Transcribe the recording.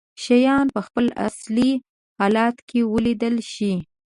شيان په خپل اصلي حالت کې ولیدلی شي.